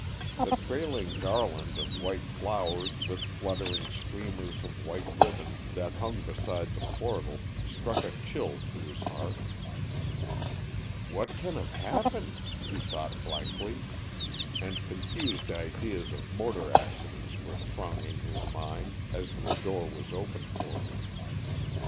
The trailing garland of white flowers with fluttering streamers of white ribbon that hung beside the portal struck a chill to his heart. "What can have happened?" he thought blankly, and confused ideas of motor accidents were thronging his mind as the door was opened for him.